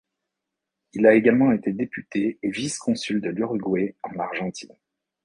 Il a également été député et vice-consul de l'Uruguay en Argentine.